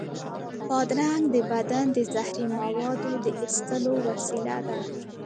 بادرنګ د بدن د زهري موادو د ایستلو وسیله ده.